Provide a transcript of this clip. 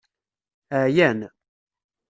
Ɛyan.